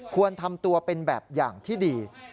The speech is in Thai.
ควรทำตัวเป็นแบบอย่างที่ดี